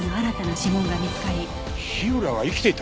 火浦が生きていた？